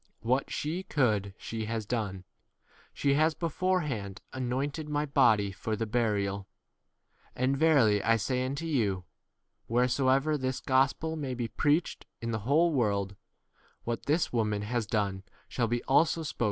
8 What she could she has done. She has beforehand anointed my 9 body for the burial. And n verily I say unto you, Wheresoever this gospel may be preached in the whole world, what this [woman] has done shall be also spoken of rejected.